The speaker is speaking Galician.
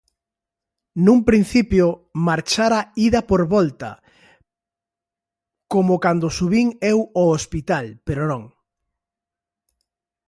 Nun principio, marchara ida por volta, como cando subín eu ao hospital, pero non.